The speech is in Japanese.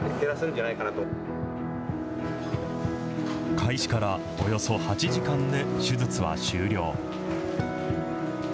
開始からおよそ８時間で手術は終了。